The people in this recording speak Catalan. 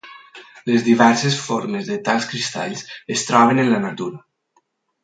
Les diverses formes de tals cristalls es troben en la natura.